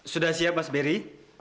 sudah siap mas barry